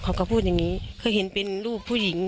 มันก็เห็นผ่าน